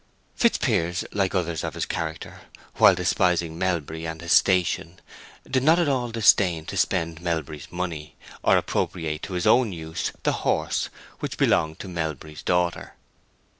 Fitzpiers, like others of his character, while despising Melbury and his station, did not at all disdain to spend Melbury's money, or appropriate to his own use the horse which belonged to Melbury's daughter.